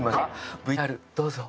ＶＴＲどうぞ。